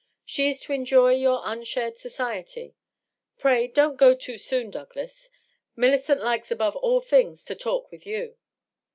" She is to enjoy your unshared society. .. Pray don't go too soon, Douglas. Millicent likes above all things to talk with you."